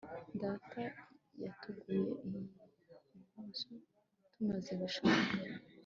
Data yatuguze iyi nzu tumaze gushaka